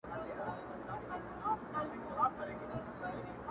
• هسي نه چي په پردۍ سجده بد نام سو -